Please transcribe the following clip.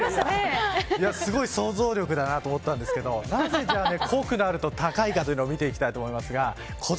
すごい想像力だなと思ったんですけどなんでじゃあ濃くなると高いかを見ていきたいと思います。